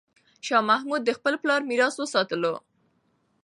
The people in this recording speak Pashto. شاه محمود د خپل پلار میراث وساتلو.